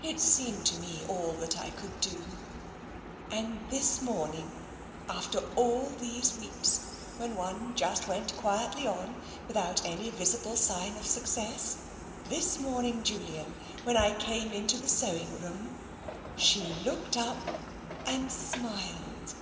It seemed to me all that I could do. And this morning — after all these weeks, when one just went quietly on without any visible sign of success — this morning, Julian, when I came into the sewing room — she looked up and smiled."